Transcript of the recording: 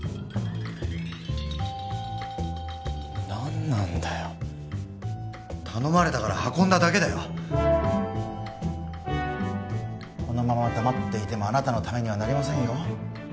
何なんだよ頼まれたから運んだだけだよこのまま黙っていてもあなたのためにはなりませんよ